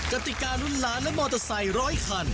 กติการุ่นล้านและมอเตอร์ไซค์ร้อยคัน